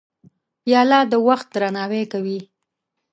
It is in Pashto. پیاله د وخت درناوی کوي.